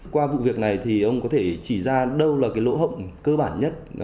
qua vụ việc này thì ông có thể chỉ ra đâu là cái lỗ hổng cơ bản nhất